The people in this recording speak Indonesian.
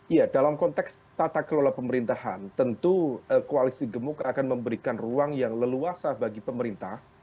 iya dalam konteks tata kelola pemerintahan tentu koalisi gemuk akan memberikan ruang yang leluasa bagi pemerintah